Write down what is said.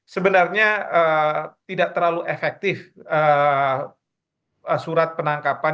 sebenarnya tidak terlalu efektif surat penangkapan